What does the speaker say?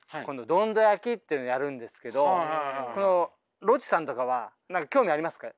どんど焼きっていうのをやるんですけどこのロッチさんとかは何か興味ありますか？